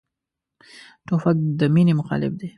توپک د مینې مخالف دی.